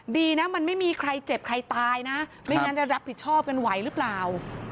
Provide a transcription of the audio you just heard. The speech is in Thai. ดีนะมันไม่มีใครเจ็บใครตายนะไม่งั้นจะรับผิดชอบกันไหวหรือเปล่า